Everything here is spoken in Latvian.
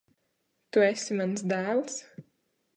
Tu esi mans dēls?